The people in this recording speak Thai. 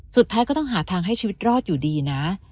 สุดท้ายก็ต้องหาทางให้ชีวิตรอดอยู่ดีนะ